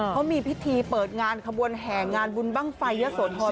เขามีพิธีเปิดงานขบวนแห่งานบุญบ้างไฟยะโสธร